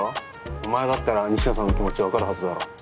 お前だったら仁科さんの気持ち分かるはずだろ。